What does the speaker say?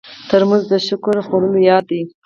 ترموز د شکر خوړلو یاد دی.